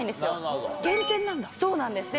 そうなんです。